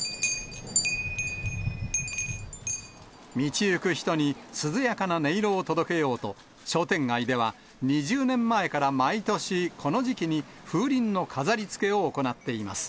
道行く人に涼やかな音色を届けようと、商店街では、２０年前から毎年、この時期に風鈴の飾りつけを行っています。